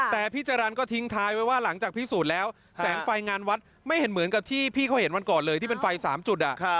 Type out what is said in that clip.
แต่พี่จรรย์ก็ทิ้งท้ายไว้ว่าหลังจากพิสูจน์แล้วแสงไฟงานวัดไม่เห็นเหมือนกับที่พี่เขาเห็นวันก่อนเลยที่เป็นไฟ๓จุด